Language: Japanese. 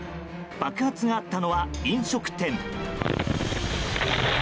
爆発があったのは飲食店。